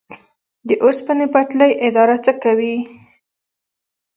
د اوسپنې پټلۍ اداره څه کوي؟